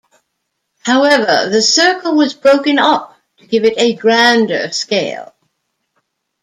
However, the circle was 'broken up' to give it a grander scale.